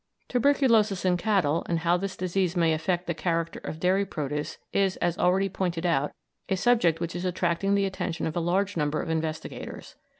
Tuberculosis in cattle, and how this disease may affect the character of dairy produce, is, as already pointed out, a subject which is attracting the attention of a large number of investigators.